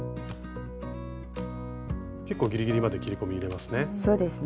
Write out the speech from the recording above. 結構ギリギリまで切り込み入れますね。